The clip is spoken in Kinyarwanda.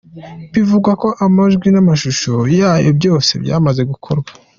Bivugwa ko amajwi n’amashusho yayo byose byamaza gukorwa.